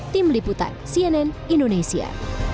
tim liputan cnn indonesia